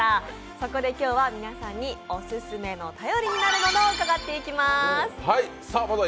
そこで今日は皆さんに、オススメの頼りになるものを伺っていきます。